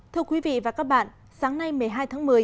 thưa quý vị và các bạn sáng nay một mươi hai tháng một mươi